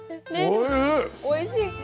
おいしい。